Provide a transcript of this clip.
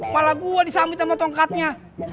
malah gue disambit sama tongkatnya